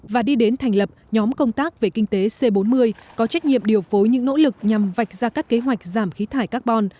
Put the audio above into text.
và đi đến thành lập nhóm công tác về kinh tế c bốn mươi có trách nhiệm điều phối những nỗ lực nhằm vạch ra các kế hoạch giảm khí thải carbon